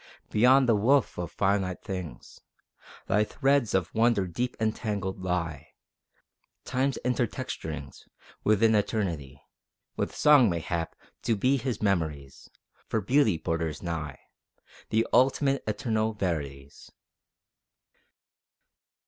Beyond the woof of finite things, Thy threads of wonder deep entangled lie Time's intertexturings Within Eternity With Song, mayhap, to be his memories; For Beauty borders nigh The ultimate, eternal Verities.